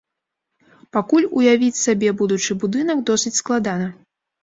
Пакуль уявіць сабе будучы будынак досыць складана.